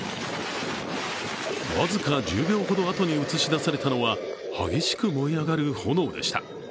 僅か１０秒ほどあとに映し出されたのは激しく燃え上がる炎でした。